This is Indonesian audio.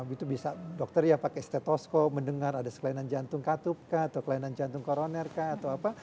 itu bisa dokter ya pakai stetosko mendengar ada kelainan jantung katup kah atau kelainan jantung koroner kah atau apa